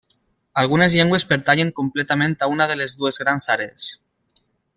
Algunes llengües pertanyen completament a una de les dues grans àrees.